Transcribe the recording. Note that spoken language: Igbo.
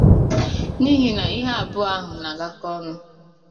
n'ihi na ihe abụọ ahụ na-agakọ ọnụ.